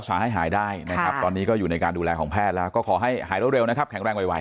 มันไม่เกี่ยวกับรูปรักษ์ภายนอก